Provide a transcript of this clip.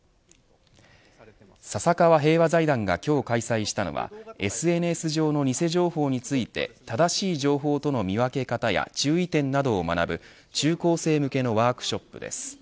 笹川平和財団が今日開催したのはＳＮＳ上の偽情報について正しい情報との見分け方や注意点などを学ぶ中高生向けのワークショップです。